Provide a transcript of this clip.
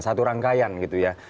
satu rangkaian gitu ya